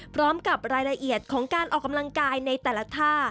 พร้อมกับรายละเอียดของการออกกำลังกายในแต่ละท่า